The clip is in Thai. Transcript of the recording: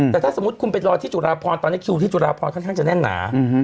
แต่ถ้าสมมุติคุณไปรอที่จุฬาพรตอนนี้คิวที่จุฬาพรค่อนข้างจะแน่นหนา